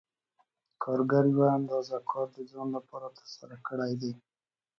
کارګر یوه اندازه کار د ځان لپاره ترسره کړی دی